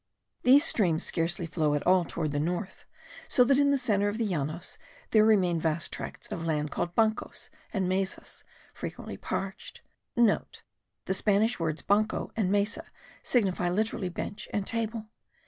These streams scarcely flow at all toward the north; so that in the centre of the Llanos there remain vast tracts of land called bancos and mesas* frightfully parched. (* The Spanish words banco and mesa signify literally bench and table.